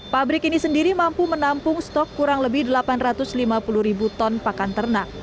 pabrik ini sendiri mampu menampung stok kurang lebih delapan ratus lima puluh ribu ton pakan ternak